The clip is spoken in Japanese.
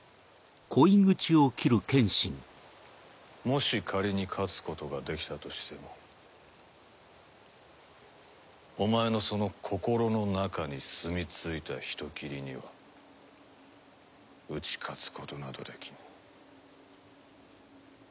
もし仮に勝つことができたとしてもお前のその心の中にすみついた人斬りには打ち勝つことなどできん。